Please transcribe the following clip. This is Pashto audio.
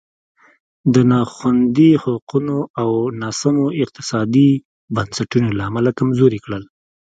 د نا خوندي حقونو او ناسمو اقتصادي بنسټونو له امله کمزوری کړل.